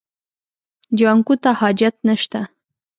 جانکو ته حاجت نشته.